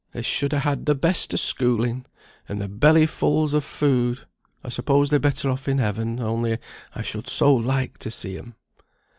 "They should ha' had the best o' schooling, and their belly fulls o' food. I suppose they're better off in heaven, only I should so like to see 'em."